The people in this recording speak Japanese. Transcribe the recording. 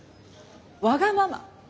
わがまま？